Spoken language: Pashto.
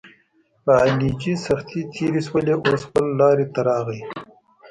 په علي چې سختې تېرې شولې اوس خپله لارې ته راغی.